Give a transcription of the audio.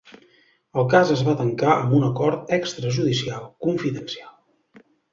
El cas es va tancar amb un acord extrajudicial confidencial.